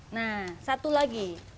nah satu lagi